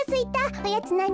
おやつなに？